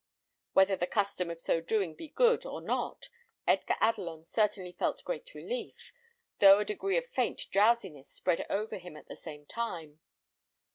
Whether the custom of so doing be good or not, Edgar Adelon certainly felt great relief, though a degree of faint drowsiness spread over him at the same time.